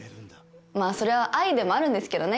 まあそれは愛でもあるんですけどね